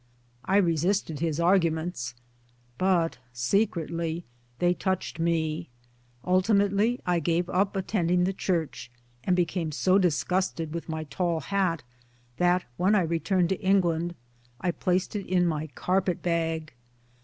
I resisted his arguments, but secretly they touched me. Ultimately I gave up attending the church, and became so disgusted with my tall hat that when I returned to England I placed it in my. carpet bag